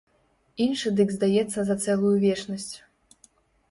Іншы дык здаецца за цэлую вечнасць.